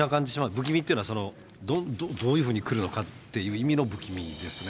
不気味ってのはどういうふうにくるのかっていう意味の不気味ですね。